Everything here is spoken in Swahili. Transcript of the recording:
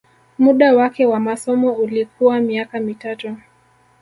Muda wake wa masomo ulikuwa miaka mitatu